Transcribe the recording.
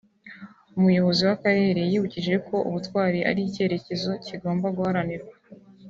Umuyobozi w’Akarere yibukije ko Ubutwari ari icyerekezo kigomba guharanirwa